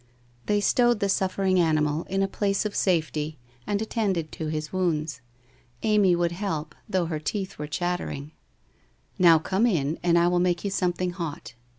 They stowed the suffering animal in a place of safety T9 80 WHITE ROSE OF WEARY LEAF aud attended to his wounds. Amy would help, though her teeth were chattering. ' Now come in and I will make you something hot.